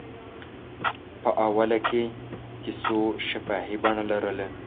په اوله کې کیسو شفاهي بڼه لرله.